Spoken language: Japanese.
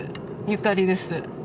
ゆかりです。